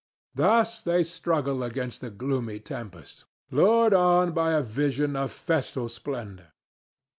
Thus they struggle against the gloomy tempest, lured onward by a vision of festal splendor.